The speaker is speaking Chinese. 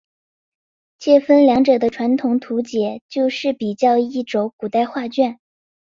介分两者的传统图解就似比较一轴古代画卷。